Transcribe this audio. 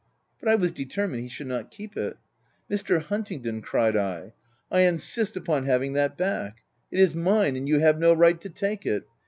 But I was determined he should not keep it. " Mr. Huntingdon," cried I, " I insist upon having that back ! It is mine, and you have no right to take it.